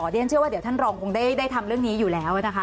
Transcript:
เรียนเชื่อว่าเดี๋ยวท่านรองคงได้ทำเรื่องนี้อยู่แล้วนะคะ